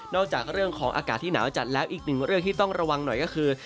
จากเรื่องของอากาศที่หนาวจัดแล้วอีกหนึ่งเรื่องที่ต้องระวังหน่อยก็คือ